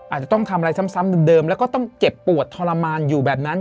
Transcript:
อาจจะต้องทำอะไรซ้ำเดิมแล้วก็ต้องเจ็บปวดทรมานอยู่แบบนั้น